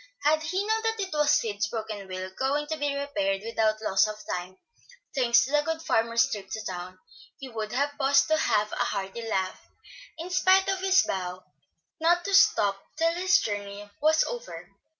Had he known that it was Sid's broken wheel, going to be repaired without loss of time, thanks to the good farmer's trip to town, he would have paused to have a hearty laugh, in spite of his vow not to stop till his journey was over.